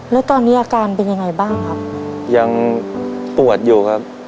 แล้วตอนนี้อาการเป็นยังไงบ้างครับยังปวดอยู่ครับ